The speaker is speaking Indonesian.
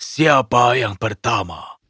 siapa yang pertama